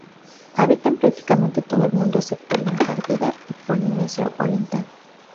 Habitan prácticamente en todo el mundo excepto la Antártida y Polinesia oriental.